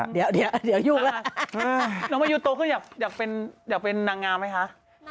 เดี่ยวน้องมายูเติบขึ้นอยากเป็นนางงามไหมคะ